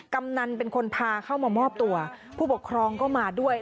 กำนันเป็นคนพาเข้ามามอบตัวผู้ปกครองก็มาด้วย